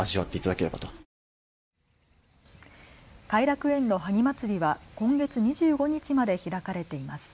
偕楽園の萩まつりは今月２５日まで開かれています。